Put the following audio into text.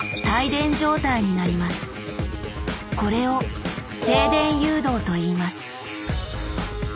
これを静電誘導といいます。